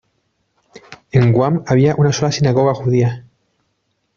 En Guam había una sola sinagoga judía.